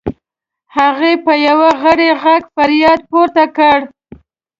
هغې په یو غری غږ فریاد پورته کړ.